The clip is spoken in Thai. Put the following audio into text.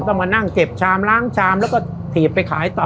มานั่งเก็บชามล้างชามแล้วก็ถีบไปขายต่อ